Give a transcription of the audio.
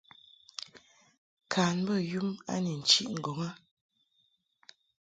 Kan bə yum a ni nchiʼ ŋgɔŋ a.